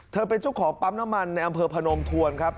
เป็นเจ้าของปั๊มน้ำมันในอำเภอพนมทวนครับ